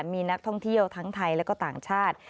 มีนักท่องเที่ยวทั้งไทยและก็ต่างชาติ